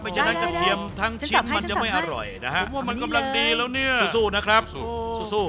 ฉะนั้นกระเทียมทั้งชิ้นมันจะไม่อร่อยนะฮะผมว่ามันกำลังดีแล้วเนี่ยสู้นะครับสู้